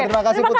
terima kasih putri